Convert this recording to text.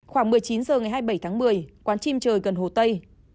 khoảng một mươi chín h ngày hai mươi bảy tháng một mươi quán chim trời gần hồ tây